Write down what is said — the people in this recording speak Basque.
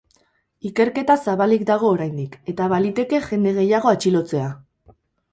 Ikerketa zabalik dago oraindik, eta baliteke jende gehiago atxilotzea.